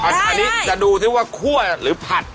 อันนี้จะดูซิว่าคั่วหรือผัด